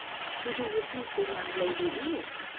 "Who do you think the young lady is?"